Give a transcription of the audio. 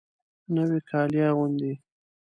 نوي کالي اغوندې